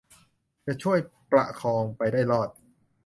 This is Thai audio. จะช่วยกันประคองไปได้รอด